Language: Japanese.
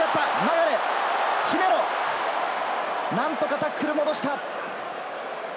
何とかタックル戻した。